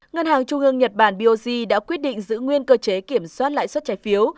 ngân hàng trung ương nhật bản biogi đã quyết định giữ nguyên cơ chế kiểm soát lại suất trái phiếu